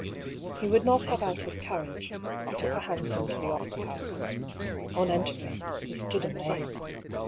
He would not have out his carriage; he took a hansom to the opera house. On entering, he stood amazed!